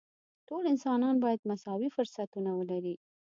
ټول انسانان باید مساوي فرصتونه ولري.